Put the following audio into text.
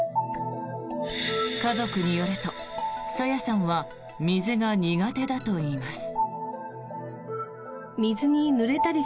家族によると、朝芽さんは水が苦手だといいます。